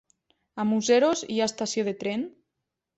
A Museros hi ha estació de tren?